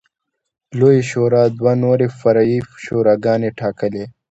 لویې شورا دوه نورې فرعي شوراګانې ټاکلې